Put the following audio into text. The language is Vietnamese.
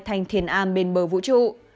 thành thiền am bên bờ vũ trụ